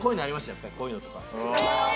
やっぱりこういうのとか。